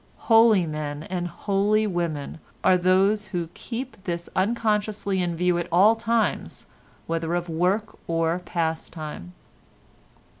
Holy men and holy women are those who keep this unconsciously in view at all times whether of work or pastime."